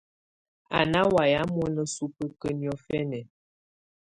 Á ná wayɛ̀á mɔ̀na subǝ́kǝ́ niɔ̀fɛnɛ.